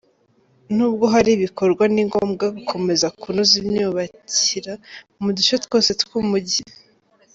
N’ubwo hari ibikorwa, ni ngombwa gukomeza kunoza imyubakira mu duce twose tw’umujyi.